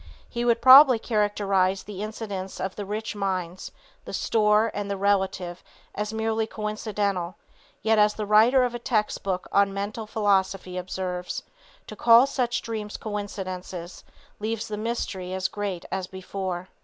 He would probably characterize the incidents of the rich mines, the store and the relative as merely coincidental, yet as the writer of a text book on mental philosophy observes, to call such dreams coincidences leaves the mystery as great as before.